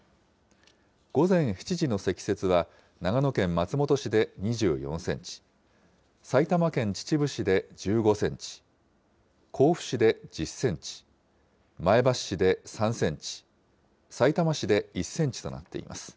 午前７時の積雪は、長野県松本市で２４センチ、埼玉県秩父市で１５センチ、甲府市で１０センチ、前橋市で３センチ、さいたま市で１センチとなっています。